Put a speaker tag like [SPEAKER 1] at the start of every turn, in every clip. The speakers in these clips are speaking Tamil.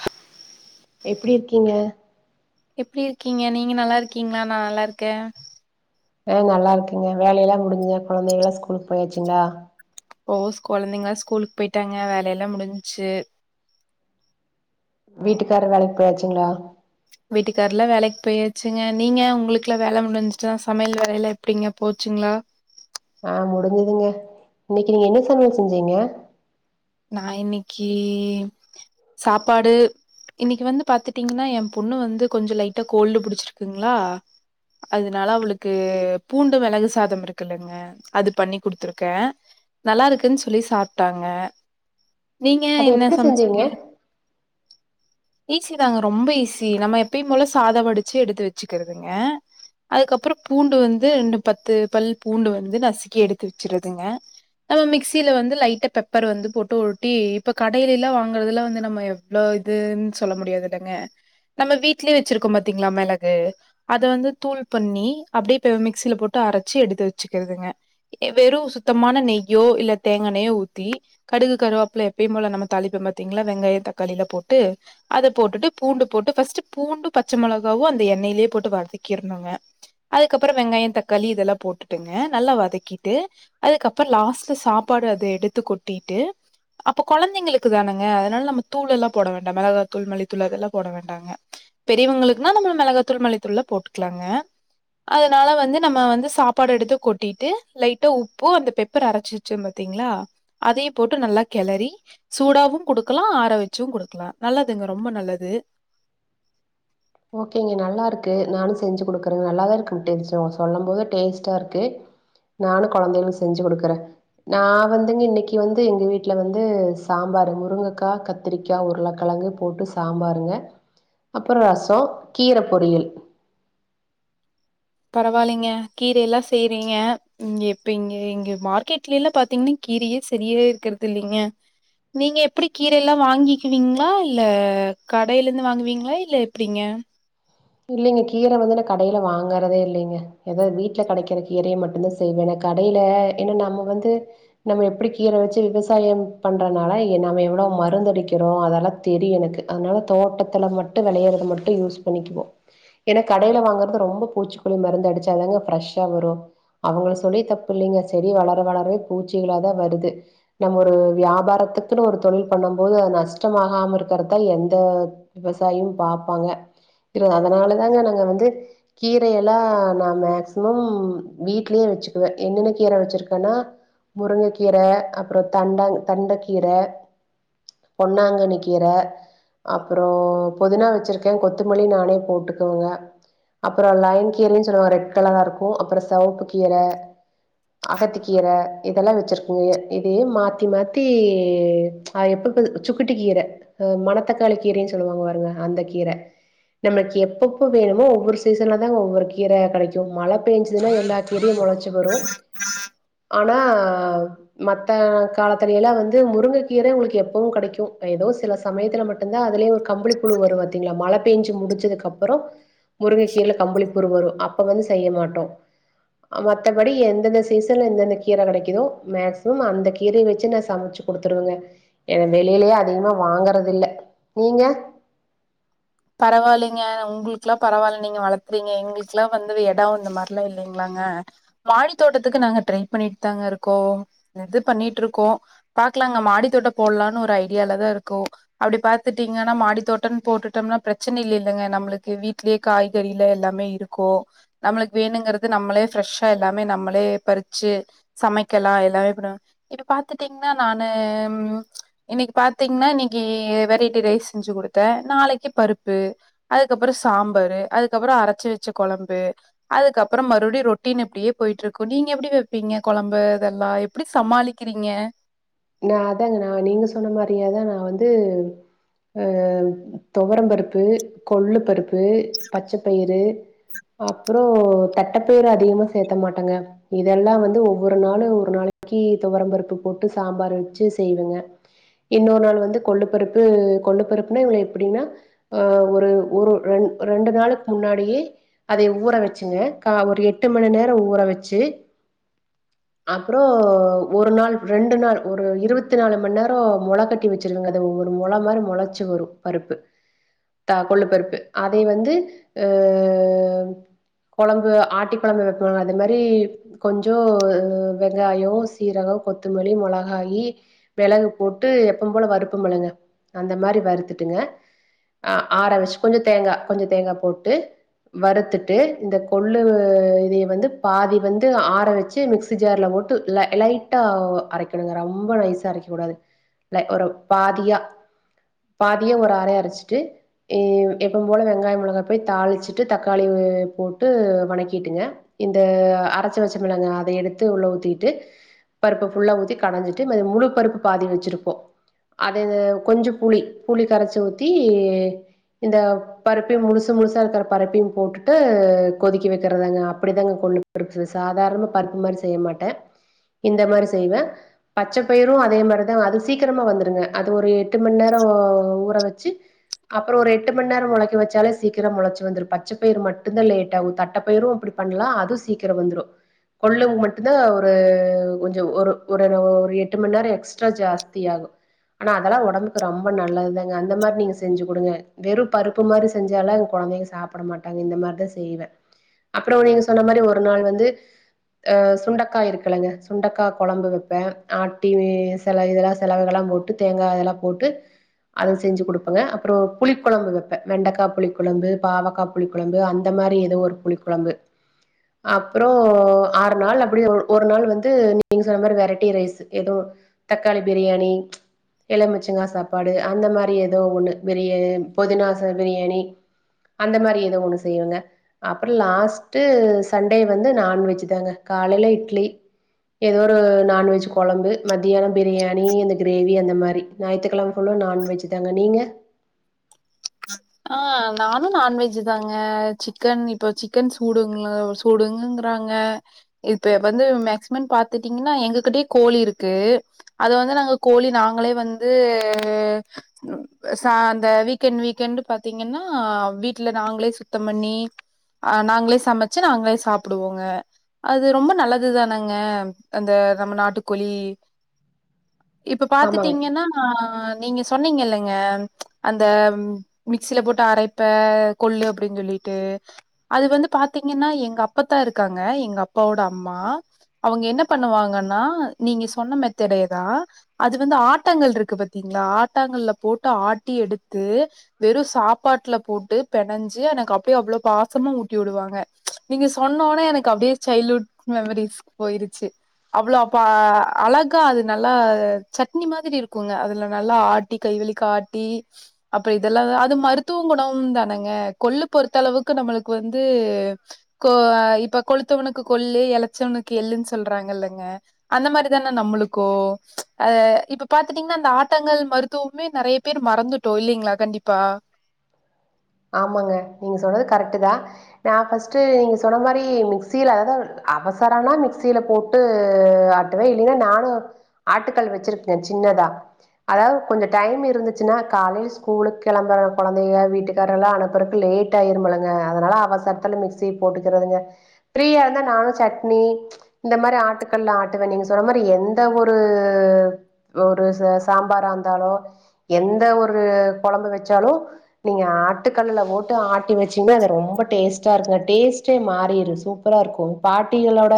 [SPEAKER 1] ஹ
[SPEAKER 2] எப்டி இருக்கீங்க
[SPEAKER 1] எப்டி இருக்கீங்க நீங்க நல்லா இருக்கீங்ளா நா நல்லா இருக்கே
[SPEAKER 2] ஆ நல்லா இருக்கேங்க வேலைல்லா முடிஞ்சதா கொழந்தைங்கல்லா ஸ்கூலுக்கு போயாச்சுங்ளா
[SPEAKER 1] ஓ கொழந்தைங்கங்கலா ஸ்கூலுக்கு போயிட்டாங்க வேலைல்லா முடிஞ்ச்சு
[SPEAKER 2] வீட்டுக்கார் வேலைக்கு போயாச்சுங்ளா
[SPEAKER 1] வீட்டுக்கார்லா வேலைக்கு போயாச்சுங்க நீங்க உங்களுக்ல வேல முடிஞ்ச்சா சமையல் வேலைல்லா எப்டிங்க போச்சுங்ளா
[SPEAKER 2] ஆ முடிஞ்சதுங்க இன்னைக்கி நீங்க என்ன சமையல் செஞ்சீங்க
[SPEAKER 1] நா இன்னைக்கி சாப்பாடு இன்னிக்கி வந்து பாத்துட்டீங்கன்னா என் பொண்ணு வந்து கொஞ்ச லைட்டா கோல்டு புடிச்சிருக்குங்ளா அதனால அவுளுக்கு பூண்டு மெளகு சாதம் இருக்குல்லங்க அது பண்ணி குடுத்துருக்கே நல்லா இருக்குன்னு சொல்லி சாப்ட்டாங்க நீங்க
[SPEAKER 2] அத
[SPEAKER 1] என்ன
[SPEAKER 2] எப்டி செஞ்சீங்க
[SPEAKER 1] சமச்சீங்க ஈஸி தாங்க ரொம்ப ஈஸி நம்ம எப்பயு போல சாதம் வடிச்சி எடுத்து வச்சிக்கிறதுங்க அதுக்கப்றோ பூண்டு வந்து ரெண்டு பத்து பல் பூண்டு வந்து நசுக்கி எடுத்து வச்சிருறதுங்க நம்ம மிக்சியில வந்து லைட்ட பெப்பர் வந்து போட் டோட்டி இப்ப கடையில்லா வாங்குறதுலா வந்து நம்ம எவ்ளோ இதுன்னு சொல்ல முடியாது இல்லங்க நம்ம வீட்லே வச்சிருக்கோ பாத்தீங்ளா மெளகு அத வந்து தூள் பண்ணி அப்டியே பெ இப்ப மிக்சியில போட்டு அரச்சி எடுத்து வச்சிக்கிறதுங்க வெறு சுத்தமான நெய்யோ இல்ல தேங்கானையோ ஊத்தி கடுகு கருவாப்புல எப்பயும் போல நம்ம தாலிப்ப பாத்தீங்ளா வெங்காயம் தக்காளிலா போட்டு அது போட்டுட்டு பூண்டு போட்டு ஃபஸ்ட் பூண்டு பச்ச மெளகாவு அந்த எண்ணயிலயே போட்டு வதக்கிருனுங்க அதுக்கப்பறோ வெங்காயம் தக்காளி இதெல்லா போட்டுட்டுங்க நல்லா வதக்கிட்டு அதுக்கப்றோ லாஸ்ட்ல சாப்பாடு அத எடுத்து கொட்டிட்டு அப்ப கொழந்தைங்களுக்கு தானங்க அதனால நம்ம தூளெல்லா போட வேண்டா மிளகாய்த்தூள் மல்லித்தூள் அதெல்லாம் போட வேண்டாங்க பெரியவங்களுக்குனா நம்ம மிளகாத்தூள் மல்லித்தூள்ல போட்டுக்கலாங்க அதனால வந்து நம்ம வந்து சாப்பாடு எடுத்து கொட்டிட்டு லைட்டா உப்பு அந்த பெப்பர் அரச்சி சோம் பாத்தீங்ளா அதையு போட்டு நல்லா கெளறி சூடாவு குடுக்கலா ஆற வச்சு குடுக்லா நல்லதுங்க ரொம்ப நல்லது
[SPEAKER 2] ஓகேங்க நல்லா இருக்கு நானு செஞ்சு குடுக்கறங்க நல்லாதா இருக்கும் டேஸ்ட் அவுங்க சொல்லும் போது டேஸ்ட்டா இருக்கு நானு கொழந்தைகளுக் செஞ்சு குடுக்கறே நா வந்துங்க இன்னைக்கி வந்து எங்க வீட்ல வந்து சாம்பார்ரு முருங்கக்கா கத் திரிக்கா உருளக்கெழங்கு போட்டு சாம்பாருங்க அப்பற ரசோ கீர பொரியல்
[SPEAKER 1] பரவாயில்லீங்க கீரையெல்லா செய்றீங்க இங்க இப்ப இங்க இங்க மார்க்கெட்ல்லா பாத்தீங்கன்னா கீரயே செரியா இருக்கறது இல்லீங்க நீங்க எப்டி கீரையில்லா வாங்கிக்கிவீங்ளா இல்ல கடையில இந்து வாங்குவீங்ளா இல்ல எப்டிங்க
[SPEAKER 2] இல்லைங்க கீர வந்து நா கடையில வாங்கறதே இல்லைங்க எதோ வீட்ல கெடக்கிற கீரைய மட்டுந்தா சம செய்வேனே கடையில ஏனா நம்ம வந்து நம்ம எப்டி கீர வச்சி விவசாயம் பண்றனால நம்ம எவ்ளோ மருந்தடிக்கிறோ அதெல்லா தெரியு எனக்கு அதனால தோட்டத்துல மட்டு வெளையறத மட்டு யூஸ் பண்ணிக்குவோ ஏனா கடையில வாங்கறது ரொம்ப பூச்சிக்கொல்லி மருந்து அடிச்சாதாங்க ஃப்ரெஷ்ஷா வரு அவங்கள சொல்லியு தப்பு இல்லங்க செடி வளர வளரவே பூச்சிகளாதா வருது நம்ம ஒரு வியாபாரத்துக்குன்னு ஒரு தொழில் பண்ணம்போது அது நஷ்டமாகாம இருக்கறதான் எந்த விவசாயும் பாப்பாங்க இரு அதனாலதாங்க நாங்க வந்து கீரையெல்லா நா மேக்சிமம் வீட்லயே வச்சுக்குவ என்னென்ன கீர வச்சிருக்கன்னா முருங்கக்கீர அப்பற தண்டங் தண்டக்கீர பொன்னாங்கன்னிகீர அப்பற புதினா வச்சிருக்கே கொத்துமல்லி நா னே போட்டுக்குவங்க அப்பற லயன் கீரைனு சொல்லுவோ ரெட் கலரா இருக்கு அப்பற செவப்பு கீர அகத்திக்கீர இதெல்லா வச்சிருக்கங்க இதையே மாத்தி மாத்தி ஆ எப்பப்ப சுக்குட்டிகீர மணத்தக்காளி கீரனு சொல்லுவாங்க பாருங்க அந்த கீர நமக்கு எப்பப்ப வேணுமோ ஒவ்வொரு சீசன்லதாங்க ஒவ்வொரு கீர கெடைக்கு மழ பெஞ்சுதுன்னா எல்லா எது மொளச்சி வரு ஆனா மத்த காலத்துலலா வந்து முருங்கக்கீர உங்களுக்கு எப்பவு கெடைக்கு ஏதோ சில சமயத்துல மட்டு விட்ருந்தா அதுலயே ஒரு கம்புளிபுழு வரு பாத்தீங்களா மழபெஞ்சு முடி முடிச்சதுக்கு அப்பற முருங்க கீரல கம்புளிப்புழு வரு அப்ப வந்து செய்யமாட்டோ மத்த படி எந்தெந்த சீசன்ல எந்தெந்த கீர கெடைக்குதோ மேக்ஸிமம் அந்த கீர வச்சு நா சமைச்சு குடுத்துருவங்க ஏனா வெளிலயே அதிகமா வாங்கறது இல்ல நீங்க
[SPEAKER 1] பரவால்லைங்க உங்களுக்குல்லா பரவால்ல நீங்க வளர்த்துறீங்க எங்களுக்குல்லா வந்து இடம் இந்த மாரிலா இல்லலிங்களாங்க மாடி தோட்டத்துக்கு நாங்க ட்ரை பண்ணிட்டு தாங்க இருக்கோ இது பண்ணிட்டு இருக்கோ பாக்கலாங்க மாடித்தோட்ட போடலானு ஒரு ஐடியால தா இருக்கோ அப்படி பாத்துட்டீங்கனா மாடி தோட்ட போட்டுட்டோனா பிரச்சனை இல்லிலங்க நம்மளுக்கு வீட்லயே காய்கறிலா எல்லாமே இருக்கு நம்மளுக்கு வேணுங்கறது நம்மளே ஃப்ரெஷ்ஷா எல்லாமே நம்மளே பறிச்சு சமைக்கலா எல்லாமே பண்லா இப்ப பாத்துட்டீங்கனா நானு இன்னிக்கு பாத்தீங்கனா இன்னிக்கு வெரைட்டி ரைஸ் செஞ்சு குடுத்த நாளைக்கு பருப்பு ப்பு அதுக்கப்பற சாம்பரு அதுக்கப்பற அரச்சு வச்ச கொழம்பு அதுக்கப்ற மறுபடி ரொட்டின் இப்டியே போய்ட்டு இருக்கு நீங்க எப்டி வப்பீங்க கொழம்பு இதெல்லா எப்டி சமாளிக்கிறீங்க
[SPEAKER 2] நா அதாங்க நா நீங்க சொன்ன மாரியேதா நா வந்து அ துவர பருப்பு கொள்ளு பருப்பு பச்சைப்பயிறு அப்பற தட்டப்பயரு அதிகமா சேத்த மாட்டங்க இதெல்லா வந்து ஒவ்வொரு நாளு ஒரு நாளைக்கி துவரம்பருப்பு போட்டு சாம்பார் வச்சி செய்வங்க இன்னொரு நாள் வந்து கொள்ளு பருப்பு கொள்ளு பருப்புனா இவ்ள எப்புடின்னா ஆ ஒரு ஒரு ரெண் ரெண்டு நாளைக் முன்னாடி அதை ஊற வச்சுங்க கா ஒரு எட்டு மணி நேர ஊற வச்சு அப்றோ ஒரு நாள் ரெண்டு நாள் ஒரு இருவத்தி நாலு மணி நேர மொளக்கட்டி வச்சிருங்க அத ஒரு மொள மாரி மொளச்சி வரு பருப்பு த கொள்ளு பருப்பு அதை வந்து கொழம்பு ஆட்டி கொழம்பு வப்போ அது மாரி கொஞ்சோ வெங்காய சீரக கொத்தமல்லி மிளகாயி மிளகு போட்டு எப்ப போல வறுப்பம்லங்க அந்த மாரி வறுத்துட்டுங்க ஆ ஆற வச்சு கொஞ்சோ தேங்கா கொஞ்ச தேங்கா போட்டு வறுத்துட்டு இந்த கொள்ளு இதய வந்து பாதி வந்து ஆற வச்சு மிக்சி ஜார்ல போட்டு லைட்டா அரைக்கணுங்க ரொம்ப நைசா அரைக்க கூடாது லை ஒரு பாதியா பாதியா ஒரு அர அரைச்சிட்டு ம் எப்போவு போல வெங்காயம் மிளகா போய் தாளிச்சிட்டு தக்காளி போட்டு வணக்கிட்டுங்க இந்த அரைச்சு வச்சமில்லங்க அத எடுத்து உள்ள ஊத்திட்டு பருப்பு உள்ள ஊத்தி கடைஞ்சிட்டு முழுப்பருப்பு பாதி வச்சிருப்போ அது கொஞ்ச புளி புளி கரைச்சி ஊத்தி இந்த பருப்பையு முழுசு முழுசா இருக்கற பருப்பயு போட்டுட்டு கொதிக்க வைக்கிறதாங்க அப்படிதாங்க கொண்டு சாதாரண பருப்பு மாரி செய்ய மாட்டே இந்த மாரி செய்வே பச்சை பயிரு அதே மாரிதா அது சீக்கிரமா வெந்துருங்க அது ஒரு எட்டு மந்நேரோ ஊற வச்சு அப்புற ஒரு எட்டு மந்நேரோ முளைக்க வச்சாலே சீக்கிரம் முளைச்சு வந்துரு பச்சப்பயிர் மட்டுந்தா லேட் ஆகு தட்டப்பயிரு அப்படி பண்லா அது சீக்கிர வெந்துரு கொள்ளு மட்டுந்தா ஒரு கொஞ்ச ஒரு ஒரு ஒரு எட்டு மந்நேர எக்ஸ்ட்ரா ஜாஸ்தி ஆகு ஆனா அதெல்லா உடம்புக்கு ரொம்ப நல்லதுதாங்க அந்த மாரி நீங்க செஞ்சு குடுங்க வெறும் பருப்பு மாரி செஞ்சாலு எங்க குழந்தைங்க சாப்பிட மாட்டாங்க இந்த மாரிதா செய்வ அப்புற நீங்க சொன்ன மாரி ஒரு நாள் வந்து அ சுண்டக்கா இருக்குலைங்க சுண்டக்கா க்கா குழம்பு வைப்பே அப்ட்டி சில இதெல்லா செலவுகல்லா போட்டு தேங்கா இதெல்லாம் போட்டு அத செஞ்சு குடுப்பங்க அப்புற புளிக்குழம்பு வெப்பே வெண்டக்கா புளிக்குழம்பு பாவக்கா புளிக்குழம்பு அந்த மாரி எதோ ஒரு புளிக்குழம்பு அப்புறோ ஆறு நாள் அப்டி ஒரு நாள் வந்து நீங்க சொன்ன மாரி வெரைட்டி ரைஸ் எதோ தக்காளி பிரியாணி எழுமிச்சங்கா சாப்பாடு அந்த மாரி எதோ ஒன்னு பிரியா பொதினா பிரியாணி அந்த மாரி எதோ ஒண்ணு செய்வங்க அப்புற லாஸ்ட்டு சண்டே வந்து நான்வெஜ் தாங்க காலைல இட்லி எதோ ஒரு நான்வெஜ் குழம்பு மத்தியானம் பிரியாணி இந்த கிரேவி அந்த மாரி ஞாயி்த்து கழம ஃபுல்லா நான்வெஜ் தங்க நீங்க
[SPEAKER 1] ஆ நானு நான்வெஜ் தாங்க சிக்கன் இப்போ சிக்கன் சூடுங்கள டுங்கங்கறாங்க இப்ப வந்து மேக்சிமம் பாத்துட்டீங்கன்னா எங்ககிட்டயே கோழி இருக்கு அத வந்து நாங்க கோழி நாங்களே வந்து சா அந்த வீக்கன் வீக்கன்ட் பாத்தீங்கன்னா வீட்ல நாங்களே சுத்தம் பண்ணி அ நாங்களே சமைச்சு நாங்களே சாப்பிடுவோங்க அது ரொம்ப நல்லது தானேங்க அந்த நம்ம நாட்டுக்கோழி இப்ப
[SPEAKER 2] ஆமாங்க
[SPEAKER 1] பாத்துட்டீங்கன்னா ஆ நீங்க சொன்னீங்கல்லங்க அந்த மிக்ஸ்சில போட்டு அரைப்ப கொள்ளு அப்டின்னு சொல்லிட்டு அது வந்து பாத்தீங்கன்னா எங்க அப்பத்தா இருக்காங்க எங்க அப்பாவோட அம்மா அவுங்க என்ன பண்ணுவாங்கன்னா நீங்க சொன்ன மெத்தடே தா அது வந்து ஆட்டாங்கள் இருக்கு பாத்தீங்களா ஆட்டாங்கள்ல போட்டு ஆட்டி எடுத்து வெறு சாப்பாட்டுல போட்டு பெணஞ்சு எனக்கு அப்டியே அவ்ளோ பாசமா ஊட்டி விடுவாங்க நீங்க சொன்னோனே எனக்கு அப்டியே சைல்டுஹுட் மெமரிஸ்க்கு போயிருச்சு அவ்ளோ அப்ப அழகா அது நல்லா சட்னி மாதிரி இருக்குங்க அதுல நல்லா ஆ ட்டி கைவலிக்க ஆட்டி அப்புற இதெல்லா அது மருத்துவ உணவு தானேங்க கொள்ளு பொறுத்த அளவுக்கு நம்மளுக்கு வந்து கோ இப்ப கொளுத்தவனுக்கு கொள்ளு இளச்சவனுக்கு எள்ளுன்னு சொல்றாங்கல்லங்க அந்த மாதிரிதானே நம்மளுக்கு அ இப்ப பாத்துட்டீங்கன்னா அந்த ஆட்டங்கள் மருத்துவமே நறைய பேர் மறந்துட்டோ இல்லைங்களா கண்டிப்பா
[SPEAKER 2] ஆமாங்க நீங்க சொன்னது கரெக்ட்டு தா நா ஃபர்ஸ்ட்டு நீங்க சொன்ன மாதிரி மிக்சியில அதாவது அவசரனா மிக்சியில போட்டு ட்டு ஆட்டுவேன் இல்ல நானும் ஆட்டுக்கல் வச்சிருக்கேன் சின்னதா அதாவது கொஞ்சம் டைம் இருந்துச்சுன்னா காலையில ஸ்கூலுக்கு கிளம்புற கொழந்தைங்க வீட்டு எல்லரையும் அனுபுறதுக்கு லேட் ஆயிருமில்லங்க அதனால அவசரத்துல மிக்சி போட்டுக்கிறதுங்க ஃப்ரீயா இருந்தா நானும் சட்னி இந்த மாரி ஆட்டுகள்ல ஆட்டுவே நீங்க சொன்ன மாதிரி எந்த ஒரு ஒரு ச சாம்பாரா இருந்தாலோ எந்த ஒரு கொழம்பு வச்சாலும் நீங்க ஆ ஆட்டுக்கல்ல போட்டு ஆட்டி வச்சிங்கனா அது ரொம்ப டேஸ்ட் டா இருக்கு டேஸ்ட்டே மாறிடு சூப்பரா இருக்கும் பாட்டிகளோட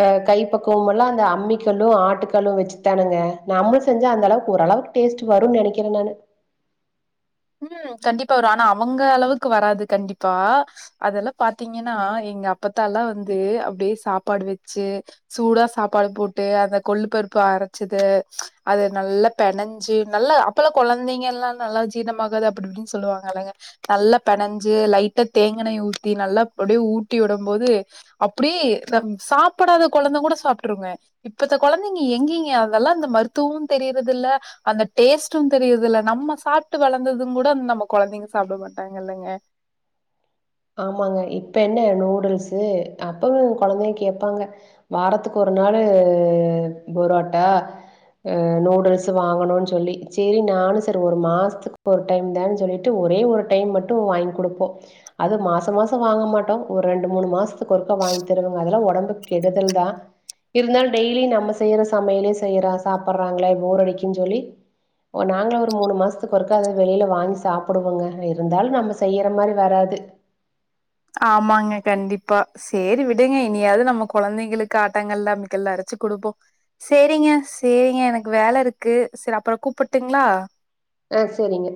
[SPEAKER 2] அ கை பக்குவமெல்லா அந்த அம்மிக்கல்லும் ஆட்டுக்கல்லும் வச்சு தானங்க நம்ம செஞ்சா அந்த அளவுக்கு ஓரளவுக்கு டேஸ்ட் வரும் நினைக்கிறே நானு
[SPEAKER 1] உம் கண்டிப்பா வரும் ஆனா அவுங்க அளவுக்கு வராது கண்டிப்பா அதெல்லாம் பாத்தீங்கன்னா எங்க அப்பத்தால்லா வந்து அப்படியே சாப்பாடு வச்சு சூடா சாப்பாடு போட்டு அந்த கொள்ளு பருப்பு அரச்சது அது நல்லா பெனஞ்சு நல்லா அப்பல்லாம் கொழந்தைங்க எல்லாம் நல்லா ஜீரணமாகாது அப்படி இப்படின்னு சொல்லுவாங்க இல்லங்க நல்லா பெனஞ்சு லைட்டா தேங்கெண்ணய ஊத்தி நல்லா அப்படியே ஊட்டி விடும் போது அப்படியே சாப்பிடாத குழந்த கூட சாப்ட்டுருங்க இப்ப அந்த கொழந்தைங்க எங்கீங்க அதெல்லா இந்த மருத்துவமும் தெரியிறது இல்ல அந்த டேஸ்ட்டும் தெரியுறது இல்ல நம்ம சாப்ட்டு வளர்ந்ததும் கூட அ நம்ம கொழந்தைங்க சாப்ட மாட்டாங்க இல்லைங்க
[SPEAKER 2] ஆமாங்க இப்ப என்ன நூடுல்ஸ்ஸு அப்பவும் கொழந்தைங்க கேப்பாங்க வாரத்துக்கு ஒரு நாளு புரோட்டா நூடுல்ஸ்ஸு வாங்கணுன்னு சொல்லி சேரி நானும் சரி ஒரு மாசத்துக்கு டைம் தா சொல்லிட்டு ஒரே ஒரு டைம் மட்டும் வாங்கி குடுப்போம் அது மாசம் மாசம் வாங்க மாட்டோம் ஒரு ரெண்டு மூணு மாசத்துக்கு ஒருக்கா வாங்கி தருவாங்க அதெல்லா உடம்புக்கு கெடுதல் தா இருந்தாலு டெய்லி நம்ம செய்யற சமையலே செய்யற சாப்டுறாங்களே போர் அடிக்குன் சொல்லி ஓ நாங்களு ஒரு மூணு மாசத்துக்கு ஒருக்கா அத வெளியில வாங்கி சாப்டுவோங்க இருந்தாலும் நம்ம செய்யிற மாரி வராது
[SPEAKER 1] ஆமாங்க கண்டிப்பா சேரி விடுங்க இனியாவது நம்ம கொழந்தைங்களுக்கு ஆட்டாங்க ல்ல அமிக்கல்ல அரச்சி கொடுப்போ சேரிங்க சேரிங்க எனக்கு வேல இருக்கு சரி அப்றம் கூப்ட்டுங்களா
[SPEAKER 2] ஆ சேரிங்க